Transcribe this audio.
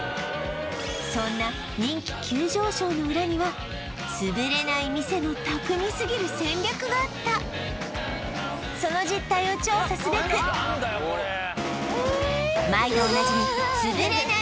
そんな人気急上昇の裏にはつぶれない店の巧みすぎる戦略があったその実態を調査すべく毎度おなじみ